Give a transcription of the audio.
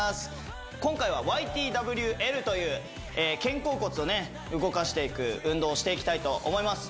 今回はＹＴＷＬという肩甲骨を動かしていく運動をしていきたいと思います